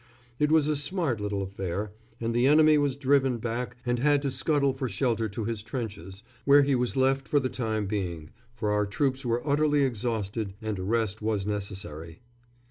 It was a smart little affair, and the enemy was driven back and had to scuttle for shelter to his trenches, where he was left for the time being, for our troops were utterly exhausted and a rest was necessary.